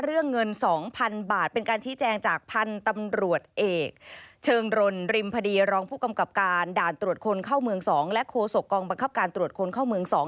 เรื่องเงิน๒๐๐๐บาทเป็นการชี้แจงจากพันธุ์ตำรวจเอกเชิงรนริมพดีรองผู้กำกับการด่านตรวจคนเข้าเมือง๒และโฆษกองบังคับการตรวจคนเข้าเมือง๒